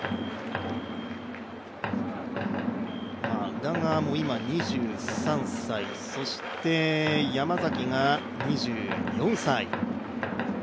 宇田川も今、２３歳、そして山崎が２４歳。